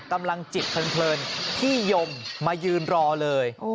กำลังจิตเพลินพี่ยมมายืนรอเลย